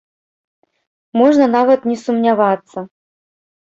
Можна нават не сумнявацца.